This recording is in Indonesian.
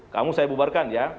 kamu saya bubarkan ya